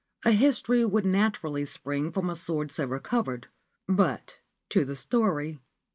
A history would naturally spring from a sword so recovered. But to the story.